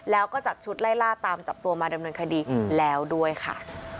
แล้วก็จัดชุดไล่ล่าตามจับตัวมาดำเนินคดีแล้วด้วยค่ะ